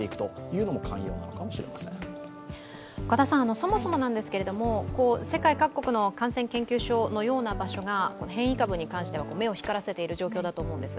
そもそも世界各国の感染研究所のような場所が変異株に関しては目を光らせている状況だと思うんです。